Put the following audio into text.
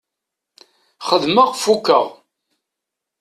Xedmeɣ fukeɣ.